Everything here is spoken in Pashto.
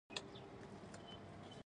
• د نوي پلان لپاره کښېنه.